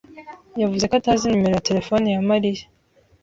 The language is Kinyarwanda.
yavuze ko atazi nimero ya terefone ya Mariya.